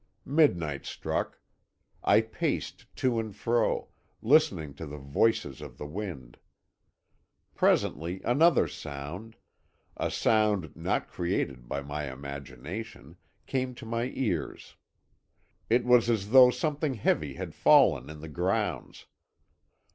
"Midnight struck. I paced to and fro, listening to the voices of the wind. Presently another sound a sound not created by my imagination came to my ears. It was as though something heavy had fallen in the grounds.